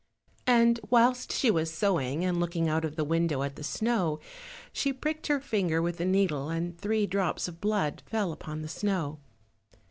And whilst she was sewing and looking out of the window at the snow, she pricked her finger with the needle, and three drops of blood fell upon the snow.